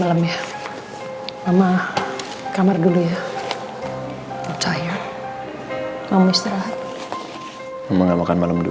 tidak ada permintaan al dan andin